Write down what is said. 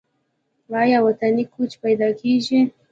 آیا وطني کوچ پیدا کیږي؟